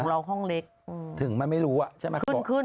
ถึงมั้ยถึงมั้ยไม่รู้อ่ะใช่ไหมขึ้น